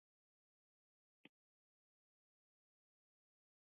کمپیوټر او سمارټ ټلیفون نوې ټکنالوژي ده.